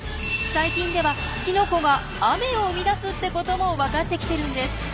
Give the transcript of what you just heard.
最近ではキノコが雨を生み出すってこともわかってきてるんです。